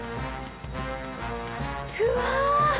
うわ。